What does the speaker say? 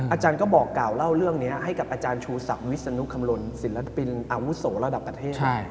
อาจารย์ก็บอกกล่าวเล่าเรื่องนี้ให้กับอาจารย์ชูศักดิ์วิศนุคำลนศิลปินอาวุโสระดับประเทศ